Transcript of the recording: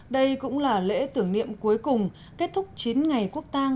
đây cũng là lễ tưởng niệm cuối cùng kết thúc chín ngày quốc tang